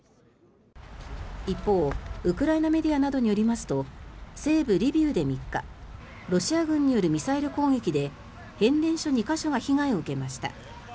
一方、ウクライナメディアなどによりますと西部リビウで３日ロシア軍によるミサイル攻撃で変電所２か所が被害を受けました。